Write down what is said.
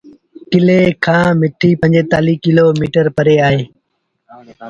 ڪلي کآݩ مٺيٚ پنجيتآليٚه ڪلو ميٚٽر پري اهي۔